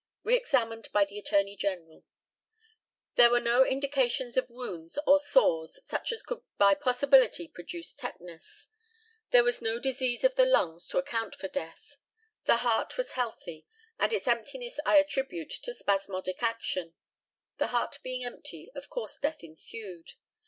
Re examined by the ATTORNEY GENERAL: There were no indications of wounds or sores such as could by possibility produce tetanus. There was no disease of the lungs to account for death. The heart was healthy, and its emptiness I attribute to spasmodic action. The heart being empty, of course death ensued.